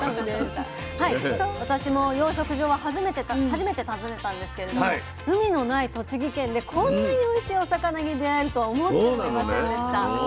私も養殖場は初めて訪ねたんですけれども海のない栃木県でこんなにおいしいお魚に出会えるとは思ってもいませんでした。